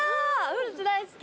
フルーツ大好き。